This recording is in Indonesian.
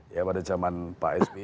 ya pada zaman pak s b